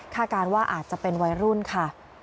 การว่าอาจจะเป็นวัยรุ่นค่ะ